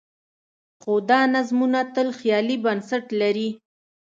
خو دا نظمونه تل خیالي بنسټ لري.